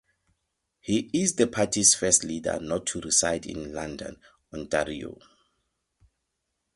He is the party's first leader not to reside in London, Ontario.